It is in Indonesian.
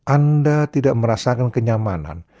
anda tidak merasakan kenyamanan